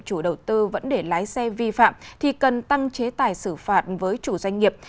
chủ đầu tư vẫn để lái xe vi phạm thì cần tăng chế tài xử phạt với chủ doanh nghiệp